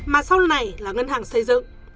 mà sau này là ngân hàng xây dựng